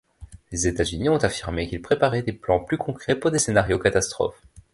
Les États-Unis ont affirmé qu’ils préparaient des plans plus concrets pour des scénarios-catastrophe.